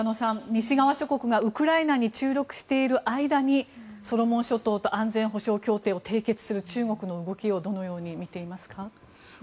西側諸国がウクライナに注力している間にソロモン諸島と安全保障協定を締結する中国の動きをどのように見ていますか？